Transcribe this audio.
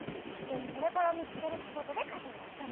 「これから見つける仕事で稼いだお金です」。